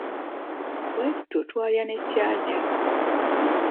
Bwe tutyo twalya ne Kyajja.